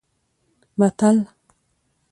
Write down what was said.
متل